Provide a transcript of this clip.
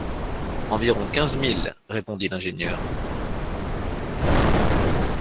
Environ quinze milles, répondit l’ingénieur